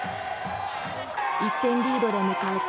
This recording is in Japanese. １点リードで迎えた